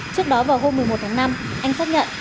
trước đó vào hôm một mươi một tháng năm anh xác nhận